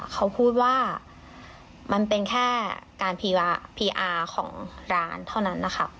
เขาพูดว่ามันเป็นแค่การพีอาร์ของร้านเท่านั้นนะคะ